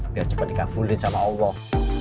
biar cepat dikabulin sama allah